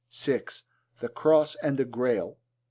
(6) The Cross and the Grail.